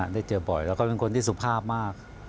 ได้เจอบ่อยแล้วก็เป็นคนที่สุภาพมาก